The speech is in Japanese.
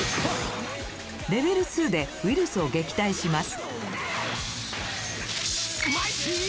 レベル２でウイルスを撃退します。